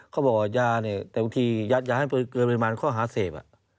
เขาบอกยาเนี่ยแต่บางทียัดยาให้เกินประมาณข้อหาเสพ